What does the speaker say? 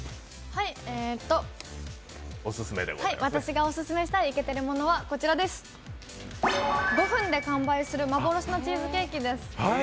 私がオススメのイケてるものは、５分で完売する幻のチーズケーキです。